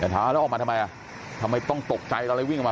แต่ถามว่าแล้วออกมาทำไมทำไมต้องตกใจเราเลยวิ่งออกมา